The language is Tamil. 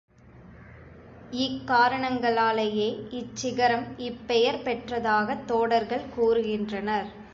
இக் காரணங்களாலேயே இச்சிகரம் இப் பெயர் பெற்றதாகத் தோடர்கள் கூறுகின்றனர்.